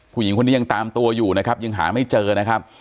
ผู้หญิงคนนี้ยังตามตัวอยู่นะครับยังหาไม่เจอนะครับ